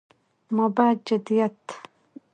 ما بعد جديديت